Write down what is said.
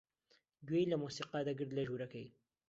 گوێی لە مۆسیقا دەگرت لە ژوورەکەی.